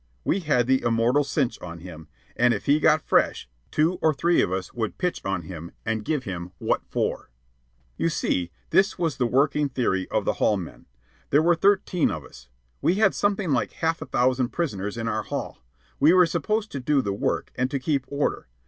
We had the immortal cinch on him, and if he got fresh, two or three of us would pitch on him and give him "what for." You see, this was the working theory of the hall men. There were thirteen of us. We had something like half a thousand prisoners in our hall. We were supposed to do the work, and to keep order.